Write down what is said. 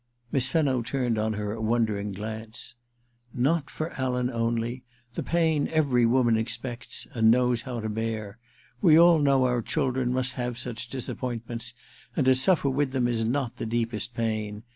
Miss Fenno turned on her a wondering glance. *Not for Alan only. That pain every woman expects — and knows how to bear. We all know our children must have such disappointments, and to suffer with them is not the deepest pain.